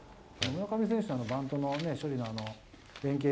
村上選手のあのバントのね、処理の連係